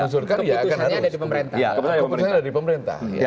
keputusan dari pemerintah